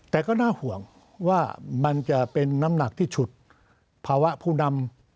แต่ก็น่าห่วงว่ามันจะเป็นน้ำหนักที่ฉุดภาวะผู้นำ